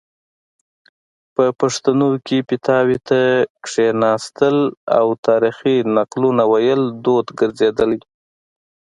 په پښتانو کې پیتاوي ته کیناستنه او تاریخي نقلونو ویل دود ګرځیدلی